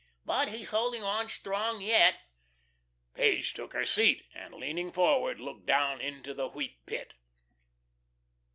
But he's holding on strong yet." Page took her seat, and leaning forward looked down into the Wheat Pit.